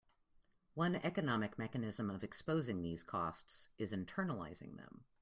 One economic mechanism of exposing these costs is internalizing them.